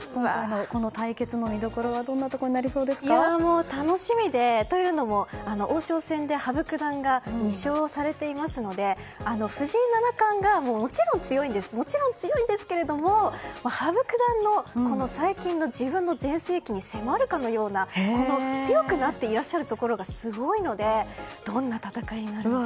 この対決の見どころは楽しみで、王将戦で羽生九段が１勝されていますので藤井七冠はもちろん強いんですが羽生九段の最近の自分の全盛期に迫るかのような強くなっていらっしゃるところがすごいのでどんな戦いになるか。